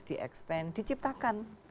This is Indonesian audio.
di extend diciptakan